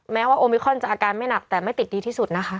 แม้ว่าโอมิคอนจะอาการไม่หนักแต่ไม่ติดดีที่สุดนะคะ